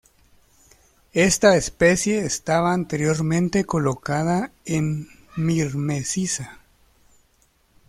Esta especie estaba anteriormente colocada en "Myrmeciza".